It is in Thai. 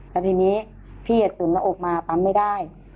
แล้วทีนี้พี่อาจสุนระอกมาปั๊มไม่ได้